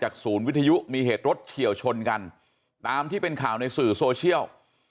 โชว์เชี่ยวข้นกันตามที่เป็นข่าวในสื่อโซเชล